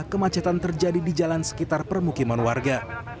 kemacetan terjadi di jalan sekitar permukiman warga